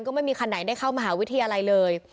ก็ไม่มีคันไหนได้เข้ามหาวิทยาลัยเลย